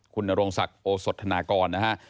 คุณนโรงศักดิ์โอสธนากรนะฮะ